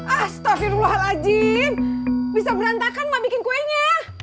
astaghfirullahaladzim bisa berantakan mak bikin kuenya